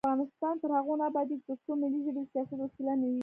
افغانستان تر هغو نه ابادیږي، ترڅو ملي ژبې د سیاست وسیله وي.